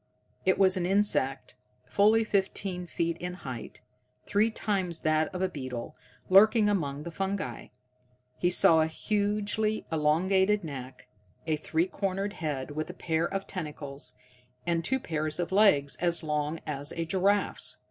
It was an insect fully fifteen feet in height, three times that of a beetle, lurking among the fungi. He saw a hugely elongated neck, a three cornered head with a pair of tentacles, and two pairs of legs as long as a giraffe's.